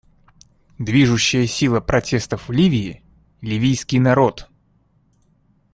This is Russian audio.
Движущая сила протестов в Ливии — ливийский народ.